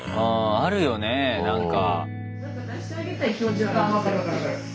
あるよねなんか。